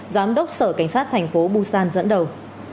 giám đốc sở cảnh sát tp busan dẫn đầu